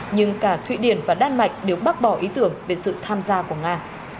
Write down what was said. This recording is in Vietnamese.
nhưng cả thụy điển và đan mạch đều bác bỏ ý tưởng về sự tham gia của nga